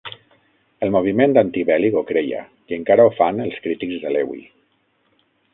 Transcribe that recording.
El moviment antibèl·lic ho creia, i encara ho fan els crítics de Lewy.